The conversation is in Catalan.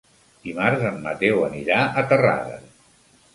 Dimarts en Mateu anirà a Terrades.